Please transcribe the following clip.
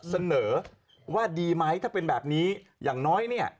เสนอว่าดีไหมถ้าเป็นแบบนี้อย่างน้อยเนี่ย